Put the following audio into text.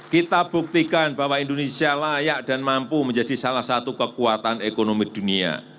kita buktikan bahwa indonesia layak dan mampu menjadi salah satu kekuatan ekonomi dunia